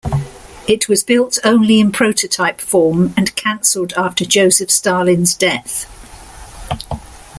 It was built only in prototype form, and cancelled after Joseph Stalin's death.